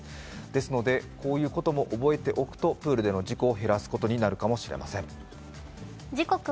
ですので、こういうことも覚えておくとプールでの事故を減らすことになるかもしれません。